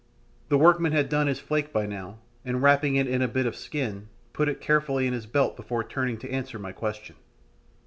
The workman had done his flake by now, and wrapping it in a bit of skin, put it carefully in his belt before turning to answer my question.